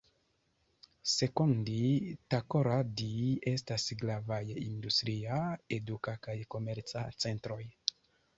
Sekondi-Takoradi estas gravaj industria, eduka kaj komerca centroj.